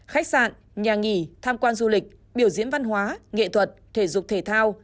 khách sạn nhà nghỉ tham quan du lịch biểu diễn văn hóa nghệ thuật thể dục thể thao